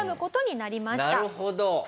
なるほど。